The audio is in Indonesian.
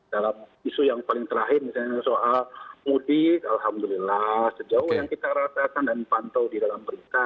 dalam isu yang paling terakhir misalnya soal mudik alhamdulillah sejauh yang kita rasakan dan pantau di dalam berita